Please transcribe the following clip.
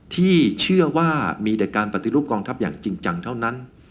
ที่เชื่อว่ามีแต่การปฏิรูปกองทัพอย่างจริงจังเท่านั้น